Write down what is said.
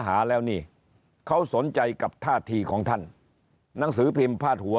หาแล้วนี่เขาสนใจกับท่าทีของท่านหนังสือพิมพ์พาดหัว